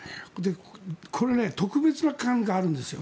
これ、特別感があるんですよ